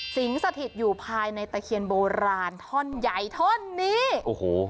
สถิตอยู่ภายในตะเคียนโบราณท่อนใหญ่ท่อนนี้โอ้โห